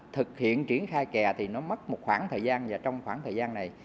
thực hiện triển khai kè thì nó mất một khoảng thời gian và trong khoảng thời gian này